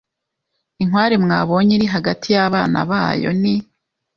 Inkware mwabonye iri hagati y'abana bayoni